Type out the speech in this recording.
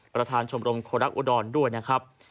ประธานชมรมโครักษ์อุดรด้วยนะครับ